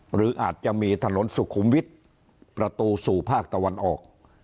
หรืออาจจะมีถนนสุขุมวิทย์ประตูสู่ภาคตะวันออก